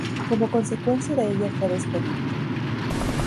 Como consecuencia de ello fue despedido.